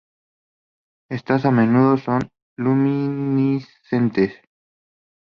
Estas a menudo son luminiscentes.